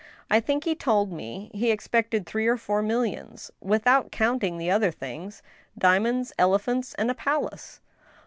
I think he told me he expected three or four millions, without counting the other things, diamonds, ele phants, and a palace.